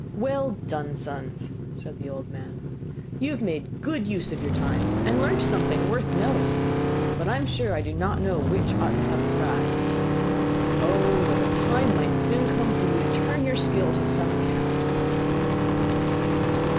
'Well done, sons!' said the old man; 'you have made good use of your time, and learnt something worth the knowing; but I am sure I do not know which ought to have the prize. Oh, that a time might soon come for you to turn your skill to some account!